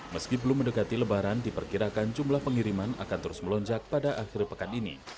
meski belum mendekati lebaran diperkirakan jumlah pengiriman akan terus melonjak pada akhir pekan ini